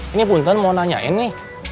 ini pun tuan mau nanyain nih